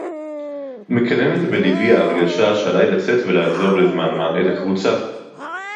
מְקַנֶּנֶת בְּלִבִּי הַהַרְגָּשָׁה שֶׁעָלַי לָצֵאת וְלַעֲזֹב לִזְמַן־מָה אֶת הַקְּבוּצָה